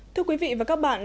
thưa quý vị và các bạn